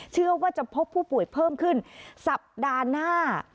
เชื่อว่าจะพบผู้ป่วยเพิ่มขึ้นสัปดาห์หน้า